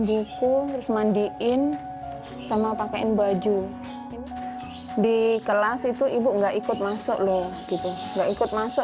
buku mandiin sama pakai baju di kelas itu ibu nggak ikut masuk loh gitu nggak ikut masuk